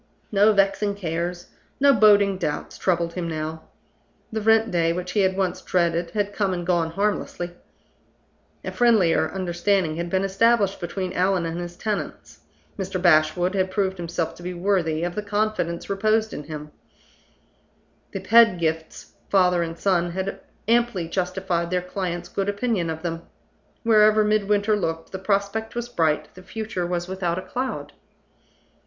No vexing cares, no boding doubts, troubled him now. The rent day, which he had once dreaded, had come and gone harmlessly. A friendlier understanding had been established between Allan and his tenants; Mr. Bashwood had proved himself to be worthy of the confidence reposed in him; the Pedgifts, father and son, had amply justified their client's good opinion of them. Wherever Midwinter looked, the prospect was bright, the future was without a cloud.